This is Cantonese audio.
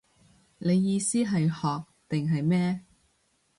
你意思係學定係咩